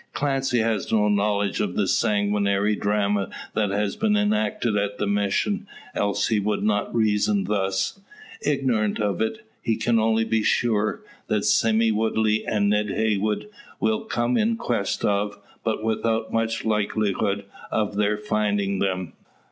Clancy has no knowledge of the sanguinary drama that has been enacted at the Mission, else he would not reason thus. Ignorant of it, he can only be sure, that Sime Woodley and Ned Heywood will come in quest of, but without much likelihood of their finding them.